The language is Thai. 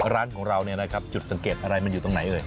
ร้านของเราเนี่ยนะครับจุดสังเกตอะไรมันอยู่ตรงไหนเอ่ย